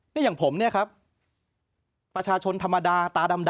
นี่อย่างผมเนี่ยครับประชาชนธรรมดาตาดำ